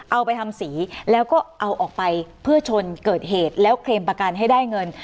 เอาไปทำสีแล้วก็เอาออกไปเพื่อชนเกิดเหตุแล้วเคลมประกันให้ได้เงิน